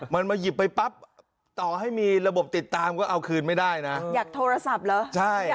มันมาหยิบไปปั๊บต่อให้มีระบบติดตามก็เอาคืนไม่ได้นะอยากโทรศัพท์เหรอใช่